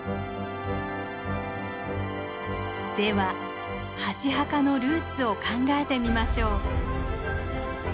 では箸墓のルーツを考えてみましょう。